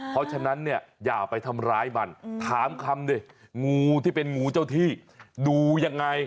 เพราะฉะนั้นเนี่ยอย่าไปทำร้ายมันถามคำดิงูที่เป็นงูเจ้าที่ดูยังไง